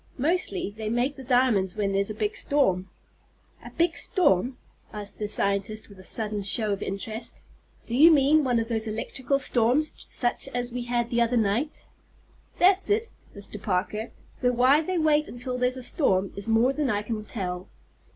Mostly they make the diamonds when there's a big storm." "A big storm," asked the scientist with a sudden show of interest. "Do you mean one of those electrical storms, such as we had the other night?" "That's it, Mr. Parker, though why they wait until there's a storm is more than I can tell."